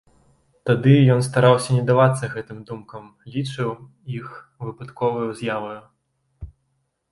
Тады ён стараўся не давацца гэтым думкам, лічыў іх выпадковаю з'яваю.